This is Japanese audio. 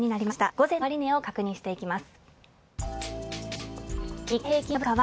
午前の終値を確認していきます。